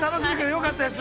◆よかったです。